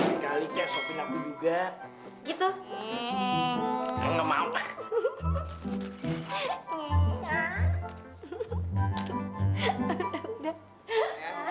nah kalian berdua pacarannya mesral banget ya